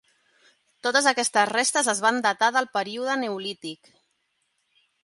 Totes aquestes restes es van datar del període neolític.